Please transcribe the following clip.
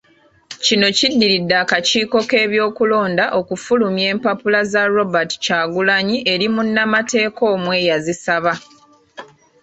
Kino kiddiridde akakiiko k’ebyokulonda okufulumya empapula za Robert Kyagulanyi eri munnamateeka omu eyazisaba.